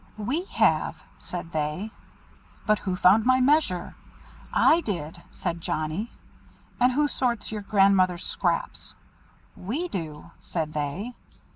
"We have," said they. "But who found my measure?" "I did," said Johnnie. "And who sorts your grandmother's scraps?" "We do," said they.